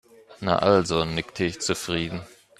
"Na also", nickte ich zufrieden.